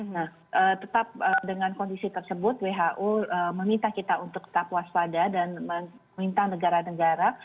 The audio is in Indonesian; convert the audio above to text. nah tetap dengan kondisi tersebut who meminta kita untuk tetap waspada dan meminta negara negara